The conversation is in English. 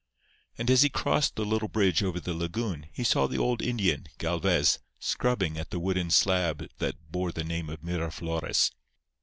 And as he crossed the little bridge over the lagoon he saw the old Indian, Galvez, scrubbing at the wooden slab that bore the name of Miraflores.